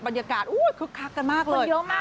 บรรยากาศคือคลักกันมากเลย